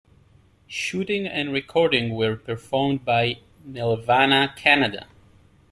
Shooting and recording were performed by Nelvana Canada.